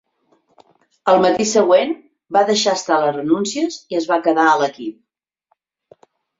Al matí següent, va deixar estar les renúncies i es va quedar a l'equip.